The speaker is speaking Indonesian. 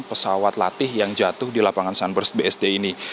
pesawat latih yang jatuh di lapangan sunburst bsd ini